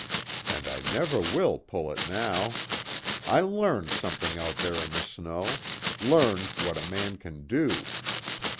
And I never will pull it, now. I learned something out there in the snow learned what a man can do."